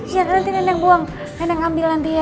iya nanti neneng buang neneng ambil nanti ya